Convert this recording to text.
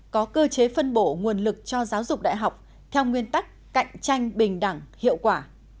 có cơ chế phân bổ nguồn lực cho giáo dục đại học theo nguyên tắc cạnh tranh bình đẳng hiệu quả